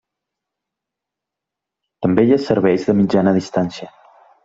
També hi ha serveis de Mitjana Distància.